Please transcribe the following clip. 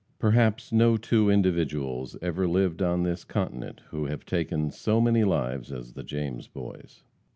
Perhaps no two individuals ever lived on this continent who have taken so many lives, as the James Boys.